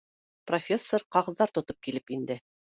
Профессор ҡағыҙҙар тотоп килеп инде.